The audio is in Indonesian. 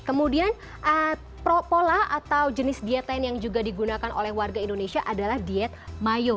kemudian pro pola atau jenis diet lain yang juga digunakan oleh warga indonesia adalah diet mayo